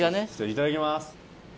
いただきます。